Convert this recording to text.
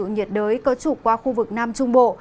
cục bộ giải hút tủ nhiệt đới có chủ qua khu vực nam trung bộ